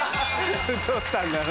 太ったんだな。